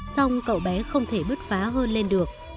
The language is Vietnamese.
xong cậu bé không thể bứt phá hơn lên được